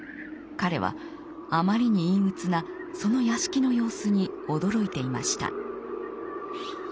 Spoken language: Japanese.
彼はあまりに陰鬱なその屋敷の様子に驚いていました。